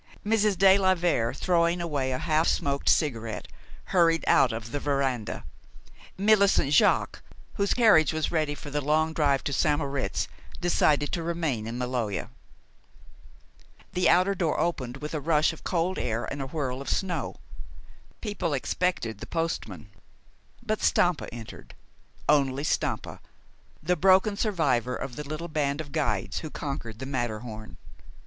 Mrs. de la Vere, throwing away a half smoked cigarette, hurried out of the veranda. Millicent Jaques, whose carriage was ready for the long drive to St. Moritz, decided to remain in Maloja. The outer door opened, with a rush of cold air and a whirl of snow. People expected the postman; but Stampa entered, only Stampa, the broken survivor of the little band of guides who conquered the Matterhorn.